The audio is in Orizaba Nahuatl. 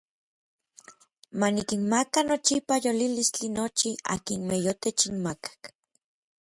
Ma nikinmaka nochipa yolilistli nochi akinmej yotechinmakak.